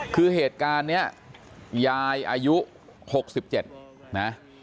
คือเหตุการณ์นี้ยายอายุ๖๗นะ